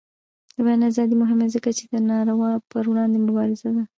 د بیان ازادي مهمه ده ځکه چې د ناروا پر وړاندې مبارزه ده.